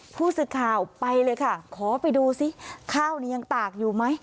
ผู้สื่อข่าวไปเลยค่ะขอไปดูสิข้าวนี้ยังตากอยู่ไหม